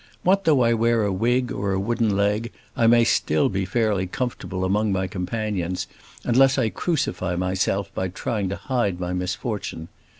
What though I wear a wig or a wooden leg, I may still be fairly comfortable among my companions unless I crucify myself by trying to hide my misfortune.